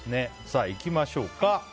いきましょうか。